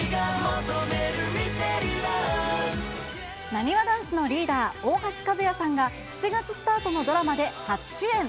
なにわ男子のリーダー、大橋和也さんが、７月スタートのドラマで初主演。